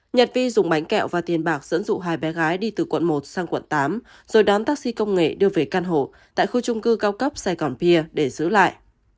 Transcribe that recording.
nhật vi dùng bánh kẹo và tiền bạc dẫn dụ hai bé gái đi từ quận một sang quận tám rồi đón taxi công nghệ đưa về căn hộ tại khu trung cư cao cấp sài gòn pia để giữ lại